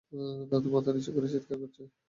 দাদু মাথা নিচু করে চিৎকার করছে।